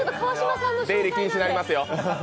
出入り禁止になりますよ。